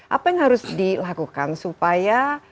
apa yang harus dilakukan supaya